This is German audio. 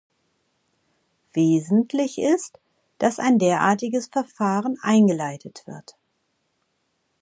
Wesentlich ist, dass ein derartiges Verfahren eingeleitet wird.